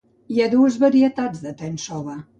Hi ha dues varietats de "tensoba".